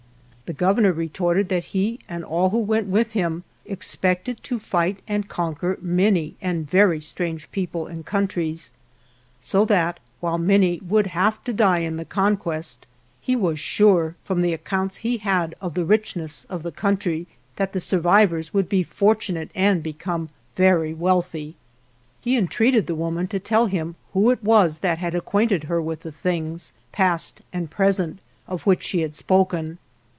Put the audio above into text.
The Governor retorted that he and all who went with him expected to fight and conquer many and very strange people and countries, so that, while many would have to die in the conquest, he was sure, from the accounts he had of the rich ness of the country, that the survivors wou4d be fortunate and become very wealthy. He entreated the woman to tell him who it was that had acquainted her with the things, past and present, of which she had spoken.